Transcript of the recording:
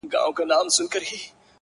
د شېخ د فتواگانو چي په امن لرې خدايه!!